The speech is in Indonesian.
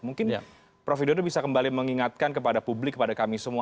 mungkin prof widodo bisa kembali mengingatkan kepada publik kepada kami semua